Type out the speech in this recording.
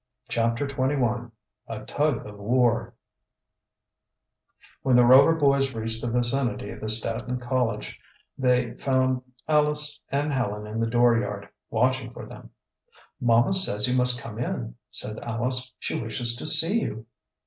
CHAPTER XXI A TUG OF WAR When the Rover boys reached the vicinity of the Staton cottage they found Alice and Helen in the dooryard, watching for them. "Mamma says you must come in," said Alice. "She wishes to see you."